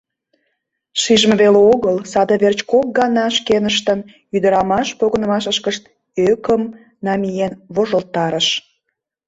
Шижме веле огыл, саде верч кок гана шкеныштын ӱдырамаш погынымашышкышт ӧкым намиен вожылтарыш.